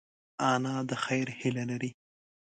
انا د خیر هیله لري